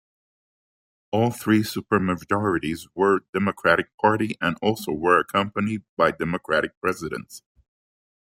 All three super majorities were Democratic party and also were accompanied by Democratic Presidents.